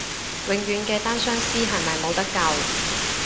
永遠嘅單相思係咪冇得救？